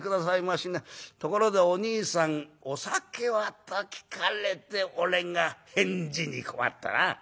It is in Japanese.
ところでおにいさんお酒は？』と聞かれてこれが返事に困ったな」。